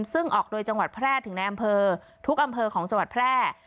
ซึ่งออกโดยจังหวัดแพร่ถึงในอำเภอทุกอำเภอของจังหวัดแพร่